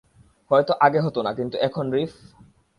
হয়তো আগে হতো না, কিন্তু এখন, রিফ?